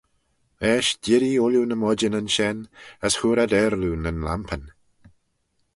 Eisht dirree ooilley ny moidjynyn shen, as hooar ad aarloo nyn lampyn.